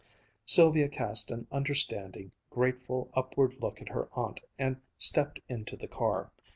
Sylvia cast an understanding, grateful upward look at her aunt and stepped into the car.